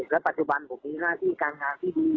และปัจจุบันผมมีหน้าที่การงานที่ดี